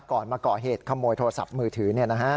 มาก่อเหตุขโมยโทรศัพท์มือถือ